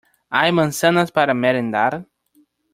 Hay manzanas para merendar.